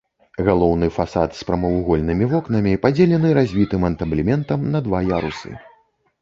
Галоўны фасад з прамавугольнымі вокнамі падзелены развітым антаблементам на два ярусы.